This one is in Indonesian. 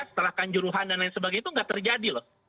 setelahkan juruhan dan lain sebagainya itu tidak terjadi loh